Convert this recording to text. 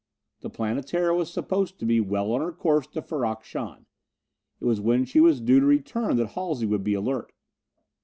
The Planetara was supposed to be well on her course to Ferrok Shahn. It was when she was due to return that Halsey would be alert.